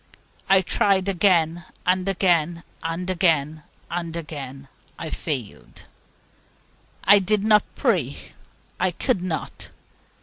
I tried again, and again; and again, and again I failed. I did not pray. I could not.